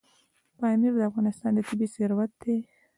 پامیر د افغانستان طبعي ثروت دی.